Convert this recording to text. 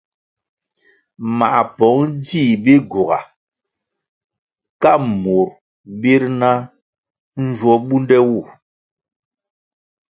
Mā pong djih Bigyuga ka murʼ birʼ na njwo bunde wu.